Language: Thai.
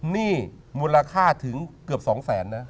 นี่มูลค่าถึงเกือบ๒แสนนะ